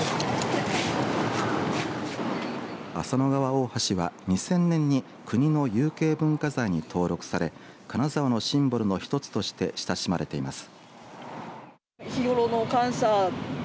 浅野川大橋は、２０００年に国の有形文化財に登録され金沢のシンボルの１つとして親しまれています。